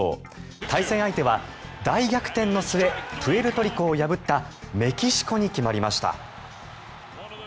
対戦相手は大逆転の末プエルトリコを破ったメキシコに決まりました。